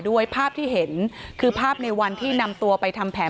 ด้วยภาพที่เห็นคือภาพในวันที่นำตัวไปทำแผน